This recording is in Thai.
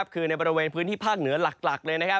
คือในบริเวณพื้นที่ภาคเหนือหลักเลย